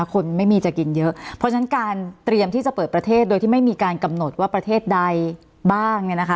คนไม่มีจะกินเยอะเพราะฉะนั้นการเตรียมที่จะเปิดประเทศโดยที่ไม่มีการกำหนดว่าประเทศใดบ้างเนี่ยนะคะ